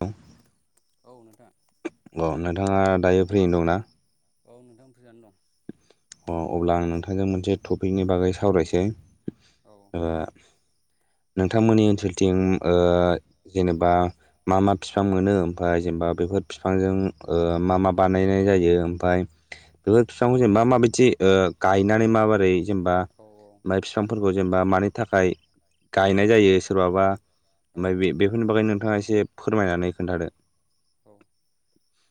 औ। औ नोंथां। औ नोंथाङा दायो फ्रियैनो दंना? औ नोंथां फ्रियानो दं। [unintelligible] अ अब्ला आं नोंथांजों मोनसे थफिकनि बागै सावरायसै औ। ओ नोंथांमोननि ओनसोलथिं ओ जेनेबा मा मा फिफां मोनो ओमफाय जेमबा बेफोर फिफांजों ओ मा मा बानायनाय जायो ओमफाय फिफांखौ जेमबा माबायदि ओ गायनानै माबोरै जेमबा औ माय उम फिफांफोरखौ जेम मा मानि थाखाय गायनाय जायो सोरबाबा औ ओमफाय बे [unintelligible] बेफोरनि बागै नोंथाङा एसे फोरमायनानै खोन्थादो। औ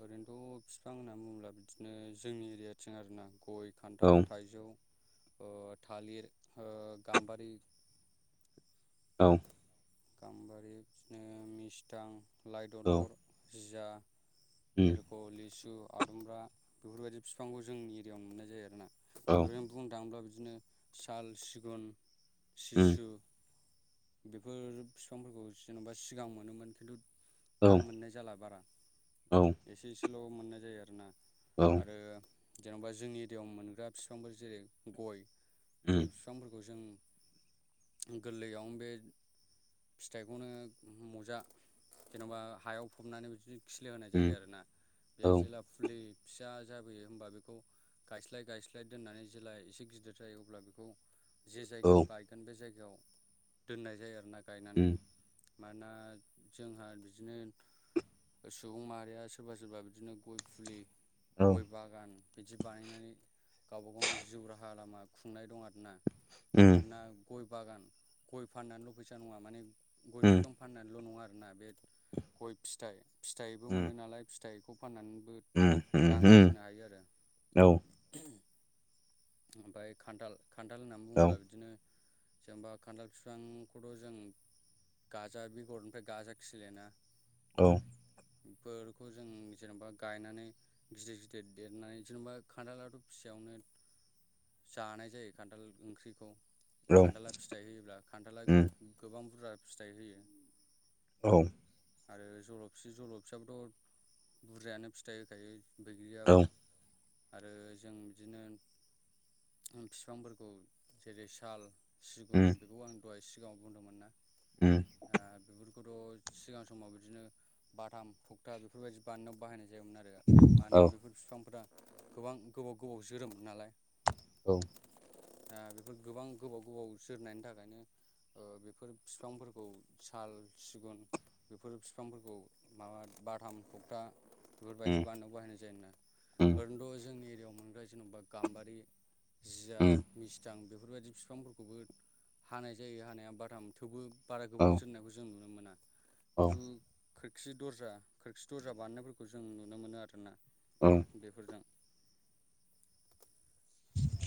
ओरैनोथ' फिफां होनना बुङोब्ला बिदिनो जोंनि एरियाथिं आरोना गय औ खान्थाल थाइजौ अ थालिर ओ गाम्बारि औ। गाम्बारि [unintelligible] नो मिस्तां औ लाइदलर भिजा उम लेर ख' लिसु आदुमब्रा बेफोरबायदि फिफांखौ जोंनि एरियावनो मोननाय जायो आरोना। औ ओरैनो बुंनो दांब्ला बिदिनो साल, सिगुन उम सिसु बेफोर बिफांफोरखौ जेन'बा सिगांङाव मोनोमोन खिन्थु औ दाम मोननाय जाला बारा औ। एसे एसेल' मोननाय जायो आरोना औ आरो जेन'बा जोंनि एरियाव मोनग्रा फिफांफोर जेरै गय गय फ उम [unintelligible] फांफोरखौ जों गोल्लैयावनो बे फिथाइखौनो [unintelligible] मजा जेन'बा हायाव फबनानै बि [unintelligible] खिलि होनाय उम जायो आरोना बे औ जेला फुलि फिसा जाबोयो होमबा बेखौ गायस्लाय गायस्लाय दोननानै जेब्ला एसे गिदिर जायो अब्ला बेखौ जे औ जायगायाव गायगोन बे जायगायाव दोननाय जायो आरो ना गायनानै मानोना जोंहा बिदिनो सुबुं माहारिया सोरबा सोरबा बिदिनो गय फुलि गय बागान बिदि बानायनानै गावबा-गावनि जिउ राहा लामा खुंनाय दं आरोना मानोना गय बागान गय फाननानैल' फैसा नङा माने गय बिफां फाननानैल' नंङा आरोना बे गय फिथाइ फिथाइबो मोनो नालाय फिथाइखौ फाननानैबो रां आरजिनो हायो आरो ओम ओमफ्राय खान्थाल खान्थाल होननानै बुङोब्ला बिदिनो जेनबा खान्थाल बिफांखौथ' जों गाजा बेगरनिफ्राय गाजा खिलया ना औ। इफोरखौ जों जेनेबा गायनानै गिदिर गिदिर देरनानै जेनेबा खान्थालाथ' फिसयावनो जानाय जायो खान्थाल ओंख्रिखौ खान्थाला फिथाइ होयोब्ला खान्थाला गोबां बुरजा फिथाइ होयो। औ। आरो जल'फि जल'फियाबोथ' बुरजायानो फिथाइ होखायो बैग्रियाबो आरो जों बिदिनो फिफांफोरखौ जेरै साल, सिगुन बेखौ आं दहाय सिगाङाव बुंदोंमोन ना ओम। ओ बेफोरखौथ' सिगां समाव बिदिनो बाथाम, थगथा बेफोरबायदि बाननायाव बाहायनाय जायोमोन आरो बे मानोना बेफोर बिफांफोरा गोबां गोबाव गोबाव जोरोम नालाय औ। आ बेफोर गोबां गोबाव गोबाव सोरनायनि थाखायनो ओ बेफोर बिफांफोरखौ साल, सिगुन बेफोर बिफांफोरखौ माबा बाथाम थ'गथा बेफोरबायदि बानायनायाव बाहायनाय जायोना ओरैनोथ' जोंनि एरियाायाव मोनग्रा जेन'बा गाम्बारि जिया, मिस्थां बेफोरबायदि बिफांफोरखौबो हानाय जायो हानाया बाथाम थेवबो बारा गोबाव जोरनायखौ जों नुनो मोना खिन्थु खोरखि दरजा खोरखि दरजा बानायनायफोरखौ जों नुनो मोनो आरोना औ। बेफोरजों।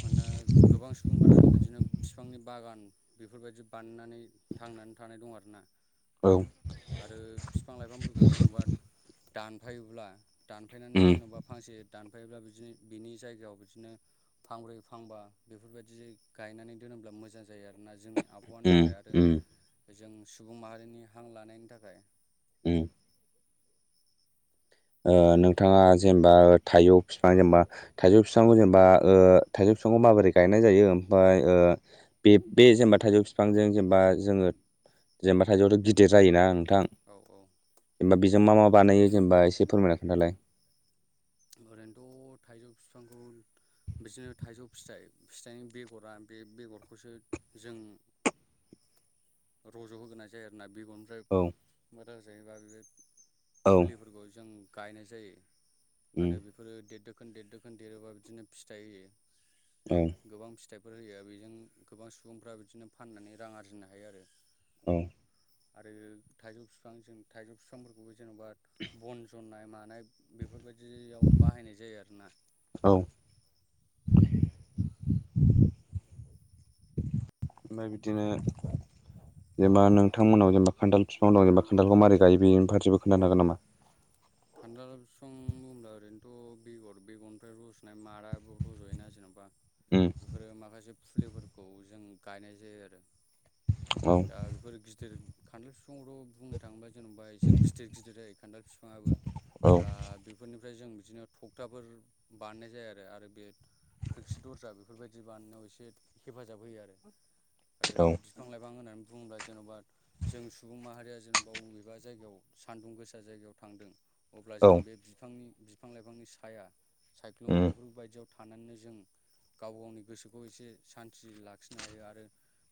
मानोना गोबां सुबुंफोरानो बिदिनो फिफांनि बागान बेफोरबायदि बानायनानै थांनानै थानाय दं आरोना औ। आरो बिफां -लाइफांफोरखौ जेन'बा दानफायोब्ला दानफायनानै जेन'बा फांसे दानफायोब्ला बिदिनो बिनि जायगायाव बिदिनो फांब्रै-फांबा बेफोरबायदि गायनानै दोनोब्ला मोजां जायो आरोना जोंनि आब हानि थाखाय आरो जों सुबुं माहारिनि हां लानायनि थाखाय उ नोंथाङा जेनेबा थाइौ बिफां जेनेबा थाइजौ बिफांखौ जेनेबा ओ थाइजौ बिफांखौ माबोरै गायनाय जायो ओमफ्राय ओ बे बे जेनेबा थाइजौ बिफांजों जेनेबा जोङो जेनेबा थाइजौआथ' गिदिर जायोना नोंथां। औ औ जेनेबा बेजों मा मा बानायो जेनेबा एसे फोरमायना खोन्थालाय। ओरैनोथ' थाइजौ बिफांखौ बिदिनो थाइजौ फिथाइ फिथाइनि बेगरा बे बेगरखौसो जों [unintelligible] रज' होग्रोनाय जायो आरोना बिग ओमफ्राय औ मोजां जायोबा बे औ फुलिफोरखौ जों गायनाय जायो। उम। आरो बेफोरो देर दोखोन देर दोखोन देरोबा बिदिनो फिथाइ होयो। औ गोबां फिथाइफोर होयो बेजों गोबां सुबुंफ्रा बिदिनो फाननानै रां आरजिनो हायो आरो। औ आरो थाइजौ बिफां जों थाइजौ बिफांफोरखौबो जेन'बा बन जन्नाय मानाय बेफोरबायदि बिदियाव बाहायनाय जायो आरो ना। औ ओमफ्राय बिदिनो जेनबा नोंथां मोननाव जेबा खान्थाल बिफांं जेनबा खान्थालखौ मारै गायो बेनिारसेबो खोनथानो होन नामा? खान्थाल बिफां बुंब्ला ओरैनोथ' बेगर बेगरनिफ्राय रज फ्राय माराबो रज'योना जेन'बा उम बेफोरो माखासे फुलिफोर खौ जों गायनाय जायो आरो औ दा बेफोर गिदिर खान्थाल बिफांखौथ' बुंनो थाङोबा जेनेबा एसे गिदिर गिदिर जायो खान्थाल बिफाङाबो। औ दा बेफोरनिफ्राय जों बिदिनो थखथाफोर बारनाय जायो आरो आरो बे खोरखि दरजा बेफोरबायदि बानायनायाव एसे हेफाजाब होयो आरो। आरो औ बिफां लाइफां होन्नानै बुङोब्ला जेन'बा जों सुबुं माहारिया जेन'बा बबेबा जायगायाव सान्दुं गोसा जायगायाव थांदों। अब्ला औ जों बे बिफांनि बिफां-लाइफांनि साया सायख्लुम उम बेफोरबायदियाव। थानानैनो जों। गाव गावनि गोसोखौ एसे सान्थि लाखिनो हायो आरो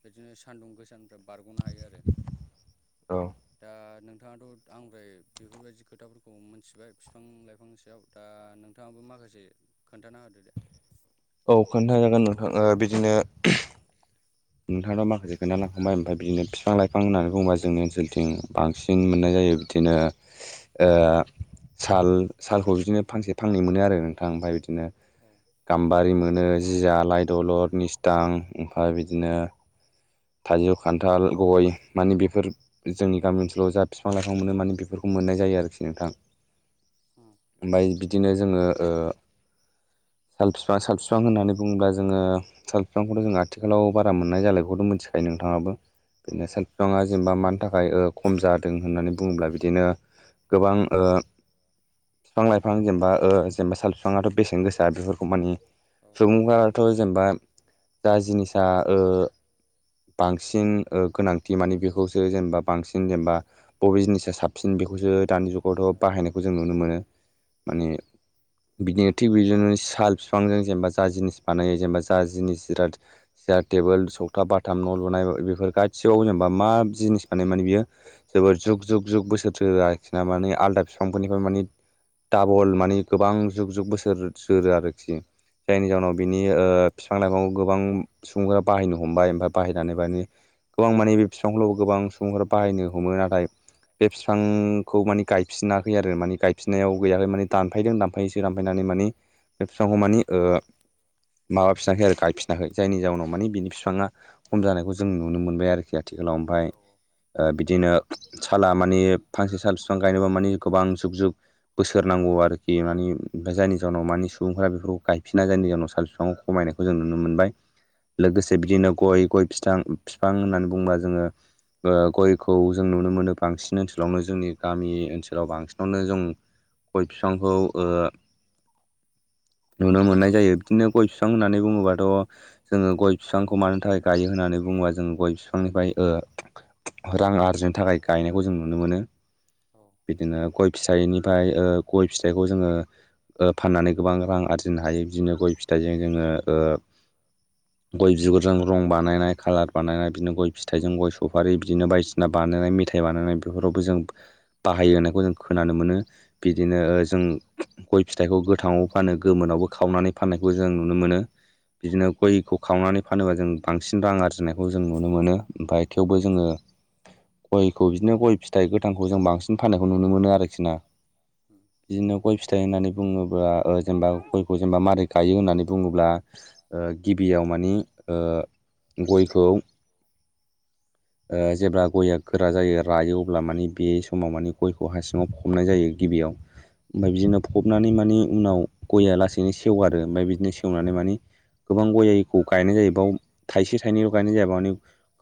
बिदिनो सानदुं गोसा बारग'नो हायो आरो। औ दा नोंथाङाथ' आंद्राय बेफोरबायदि खोथाफोरखौ खौ मोनथिबाय बिफां लाइफां सयाव दा नोंथाङाबो माखासे खोन्थाना होदो दे। औ खोन्था जागोन नोंथां ओ बिदिनो नोंथांनो माखासे खोन्थालांखांबाय ओमफ्राय बिदिनो बिफां लाइफां होननानै बुङोबा जोंनि ओनसोलथिं बांसिन मोननाय जायो। बिदिनो ओ साल सालखौ बिदिनो फांसे फांनै मोनो आरो नोंथां ओमफ्राय बिदिनो औ गाम्बारि मोनो जियालाइ दलर निस्थां ओमफ्राय बिदिनो थाइजौ खान्थाल गय मानि बेफोर जोंनि गामि ओनसोलाव जा बिफां लाइफां मोनो माने बेफोरखौ मोननाय जायो आरोखि नोंथां। होम। ओमफ्राय बिदिनो जोङो ओ। साल बिफां साल बिफां होननानै बुङोब्ला जोङो साल बिफांखौथ' जों आथिखालाव बारा मोननाय जाला बेखौथ' मिथिग नोंथाङाबो औ बिदिनो साल बिफाङा जेनेबा मानि थाखाय ओ खम जादों होननानै बुङोब्ला बिदिनो गोबां ओ बिफां लाइफां जेनेबा ओ जेनेबा साल बिफाङाथ' बेसेन गोसा बेफोरखौ मानि सुबुंफोराथ' जेनेबा जा जिनिसा ओ बांसिन ओ गोनांथि मानि बेखौसो जेनेबा बांसिन जेनेबा। बबे जिनिसा साबसिन बेखौसो दानि औ जुगावथ' औ बाहायनायखौ जों नुनो मोनो उम माने बिदिनो थिग बेदिनो साल बिफांजों जेनेबा जा जिनिस बानायो जेनेबा जा जिनिस जिराद सियार टेबोल सथा बाथाम न' लुनाय बेफोर गासिबाव जेनेबा मा जिनिस बानाय माने बियो जोबोर जुग जुग जुग बोसोरो आरोखिना माने आलदा बिफांफोरनिफ्राय उम माने डाबल मानि गोबां जुग जुग बोसोर जोरो आरोखि औ उम औ उम औ उम औ उम औ उम औ जायनि जाहनाव बिनि ओ बिफां लाइफां गोबां सुबुंफोरा बाहायनो हमबाय ओमफ्राय बाहायनानै माने गोबां मानि बे बिफांखौल' गोबां सुबुंफोर बाहायनो हमो नाथाय बे बिफां खौ माने गायफिनाखै आरो माने गायफिननायाव गैयाखै माने दानफायदों दानफायोसो दानफायनानै माने बे बिफांखौ मानि ओ माबाफिनाखै आरो गायफिनाखै जायनि जाउनाव मानि बिनि बिफाङा खम जानायखौ जों नुनो मोनबाय आरोखि आथिखालाव औ ओमफ्राय बिदिनो साला मानि फांसे साल बिफां गायनोबा मानि गोबां जुग जुग बोसोर नांगौ आरोखि मानि ओमफ्राय जायनि जााहनाव मानि सुबुंफोरा बेफोरखौ गायफिना जायनि जााहोनाव साल बिफाङाव खमायनायखौ जों नुनो मोनबाय लोगोसे बिदिनो गय गय फिथां फिफां होननानै बुङोब्ला जोङो गयखौ जों नुनो मोनो बांसिन ओनसोलावनो जोंनि गामि ओनसोलाव बांसिनावनो जों गय बिफांखौ नुनो मोननाय जायो बिदिनो गय फिफां होननानै बुङोबाथ' जोङो गय बिफांखौ मानो थाखाय गायो होननानै बुङोबा जोङो गय बिफांनिफ्राय रां आरजिनो थाखाय गायनायखौ जों नुनो मोनो बिदिनो गय फिथाइनिफ्राय गय फिथाइखौ जोङो फाननानै गोबां रां आरजिनो हायो बिदिनो गय फिथाइजों जोङो गय बिगुर नांगौ रं बानायनाय कालार बानायनाय बिदिनो गय फिथाइजों गय सफारि बिदिनो बायदिसिना बानायनाय मेथाइ बानायनाय बेफोरावबो जों बाहायो होननायखौ जों खोनानो मोनो बिदिनो जों गय फिथाइखौ गोथाङाव फानो गोमोनावबो खावनानै फाननायखौ जों नुनो मोनो बिदिनो गयखौ खावनानै फानोबा जों बांसिन रां आरजिनायखौ जों नुनो मोनो ओमफ्राय थेवबो जोङो गयखौ बिदिनो गय फिथाइ गोथांखौ जों बांसिन फाननायखौ नुनो मोनो आरोखि ना ओ बिदिनो गय फिथाइ होननानै बुङोब्ला जेनेबा गयखौ जेनेबा मारै गायो होननानै बुङोब्ला गिबियाव मानि ओ गयखौ जेब्ला गया गोरा जायो रायो अब्ला माने बे समाव माने गयखौ हा सिङाव फबनाय जायो गिबियाव ओमफ्राय बिदिनो फबनानै मानि उनाव गया लासैनो सेवो आरो ओमफ्राय बिदिनो सेव सेवनानै माने गोबां गयखौ गायनाय जायो बाव थाइसे थाइनैल' गायनाय जाया माने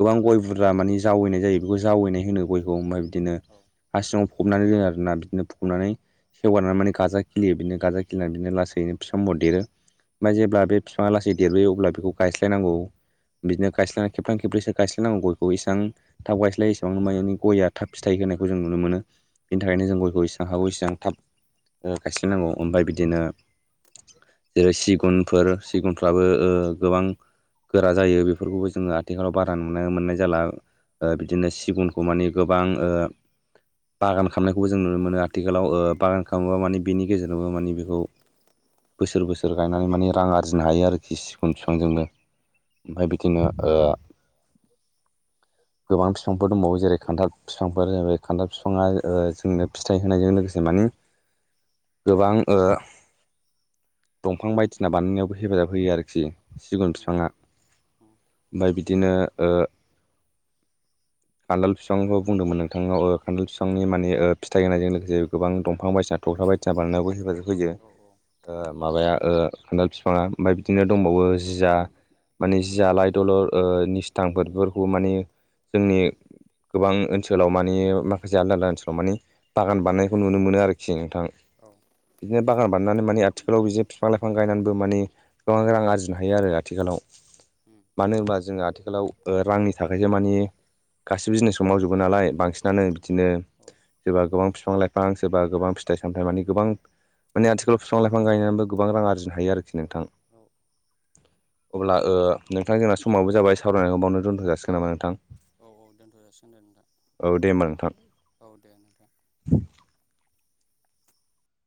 गोबां गय बुरजा मानि जावैनाय जायो बेखौ जावैनाय होनो गयखौ ओमफ्राय बिदिनो औ हा सिङाव फबनानै दोनो आरोना बिदिनो फबनानै सेवगारनानै गाजा खिलियो बिनो गाजा खिलिनानै बिनो लासैनो बिफां महर देरो ओमफ्राय जेब्ला बे बिफाङा लासै देरबोयो अब्ला बेखौ गायस्लायनांगौ बिदिनो गायस्लायनानै उम खेबथाम खेबब्रैसो गायस्लायनांगौ गयखौ इसां थाब गायस्लाय एसेबां मानि गया थाब फिथाइ होनायखौ जों नुनो मोनो बिनि थाखायनो जों गयखौ इसेबां हागौ इसेबां थाब गायस्लायनांगौ ओमफ्राय बिदिनो जेरै सिगुनफोर सिगुनफ्राबो गोबां गोरा जायो बेफोरखौबो जोङो आथिखालाव बारा नुनो मोननाय जाला ओ औ बिदिनो सिगुनखौ मानि गोबां ओ बागान खालामामनायखौबो जों नुनो मोनो आथिखालाव बागान खालामोबा माने बेनि गेजेरावबो मानि बेखौ बोसोर बोसोर गायनानै माने रां आरजिनो हायो आरोखि सिगुन औ बिफांजोंनो ओमफ्राय बिदिनो ओ गोबां बिफांफोर दंबावो जेरै खान्थाब बिफांफोर ज खान्थाब बिफाङा जोंनो फिथाइ होनायजों लोगोसे मानि गोबां ओ दंफां बायदिसिना बानायनायावबो हेफाजाब होयो आरोखि सिगुन उम बिफाङा उम ओमफ्राय बिदिनो ओ खान्थाल बिफांखौ बुंदोंमोन नोंथांनाव खान्थाल बिफांनि माने फिथाइ होनायजों लोगोसे गोबां दंफां बायदिसिना थख्ला बायदिसिना बानायनायबो हेफाजाब होयो औ औ उम ओ माबाया ओ खान्थाल फिफांङा ओमफ्राय बिदिनो दंबावो जिया माने जिया लाइ दलर ओ निस्थांफोरखौ माने जोंनि गोबां ओनसोलाव मानि माखासे आलदा आलदा ओनसोलाव मानि बागान बानायनायखौ नुनो मोनो आरोखि नोंथां औ बिदिनो बागान बाननानै माने आथिखालाव बिदि फिफां लाइफां गायनानैबो माने गोबां रां आरजिनो हायो आरो आथिखालाव उम औ मानो होनबा जोंङो आथिखालाव ओ रांनि थाखायसो मानि गासिबो जिनिसखौ मावजोबो नालाय बांसिनानो बिदिनो सोरबा गोबां फिफां लाइफां सोरबा गोबां फिथाइ सामथायाइ मानि गोबां माने आथिालाव फिफां लाइफां गयनानैबो गोबां रां आरजिनो हायो आरोखि नोंथां औ अब्ला ओ नोंथां जोंना समाबो जाबाय सावरायनायखौ बावनो दोनथ'जासिगोन नामा नोंथां? औ औ दोनथ' जासिगोन दे नोंथां औ दे होमबा नोंथां औ दे नोंथां।